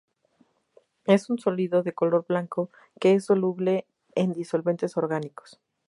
Es un sólido de color blanco que es soluble en disolventes orgánicos.